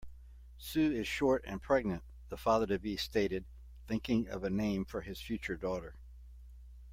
"Sue is short and pregnant", the father-to-be stated, thinking of a name for his future daughter.